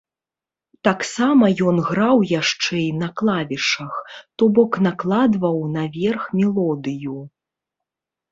Таксама ён граў яшчэ і на клавішах, то бок накладваў наверх мелодыю.